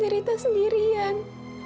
dan diri saya sendirian